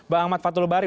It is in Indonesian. bang ahmad fathulubari